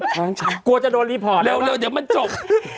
กลัวจะโดนรีพอร์ตเร็วเดี๋ยวมันจบ